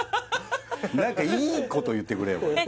何かいいこと言ってくれよえっ？